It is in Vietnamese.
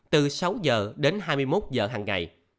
từ sáu giờ đến hai mươi một giờ hằng ngày